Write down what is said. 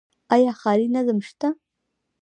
آیا ښاري نظم شته؟